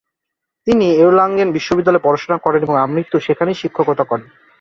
তিনি এর্লাঙেন বিশ্ববিদ্যালয়ে পড়াশোনা করেন এবং আমৃত্যু সেখানেই শিক্ষকতা করেন।